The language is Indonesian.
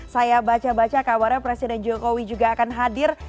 saya baca baca kabarnya presiden jokowi juga akan hadir